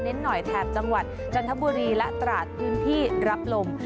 หน่อยแถบจังหวัดจันทบุรีและตราดพื้นที่รับลม